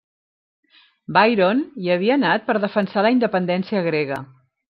Byron hi havia anat per defensar la independència grega.